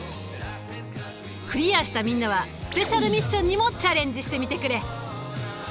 クリアしたみんなはスペシャルミッションにもチャレンジしてみてくれ。